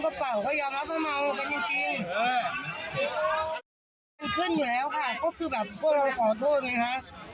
ขึ้นอยู่แล้วค่ะก็คือแบบพวกเราขอโทษไงฮะ